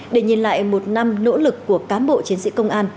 để nhìn lại một năm nỗ lực của cán bộ chiến sĩ công an